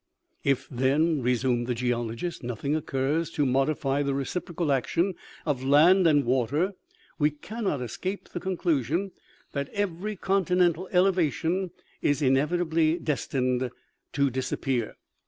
"" If, then," resumed the geologist, " nothing occurs to modify the reciprocal action of land and water, we cannot escape the conclusion that every continental elevation is inevitably destined to disappear.